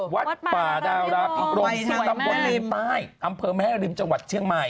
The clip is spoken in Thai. วัดป่าดาลาภิกรมซึ่งไว้อำเภอแม่ริมจังหวัดเชียงใหม่